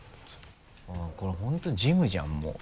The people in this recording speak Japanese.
これ本当にジムじゃんもう。